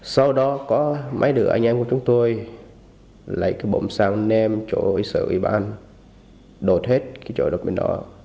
sau đó có mấy đứa anh em của chúng tôi lấy cái bộng xào nêm trụ sở ủy ban đốt hết cái trụ đập bên đó